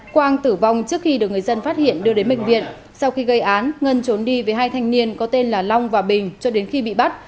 quang tử vong trước khi được người dân phát hiện đưa đến bệnh viện sau khi gây án ngân trốn đi với hai thanh niên có tên là long và bình cho đến khi bị bắt